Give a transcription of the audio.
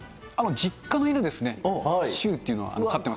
実家の犬ですね、シューっていうのを飼ってます。